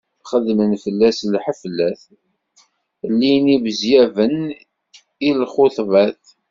Xedmen fell-as lḥeflat, llin ibezyaben i lxuṭbat.